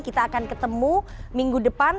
kita akan ketemu minggu depan